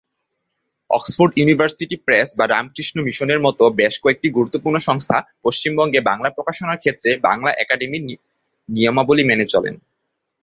Oxford University Press বা রামকৃষ্ণ মিশনের মতো বেশ কয়েকটি গুরুত্বপূর্ণ সংস্থা পশ্চিমবঙ্গে বাংলা প্রকাশনার ক্ষেত্রে বাংলা আকাদেমির নিয়মাবলি মেনে চলেন।